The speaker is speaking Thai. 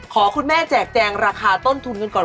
คุณแม่แจกแจงราคาต้นทุนกันก่อน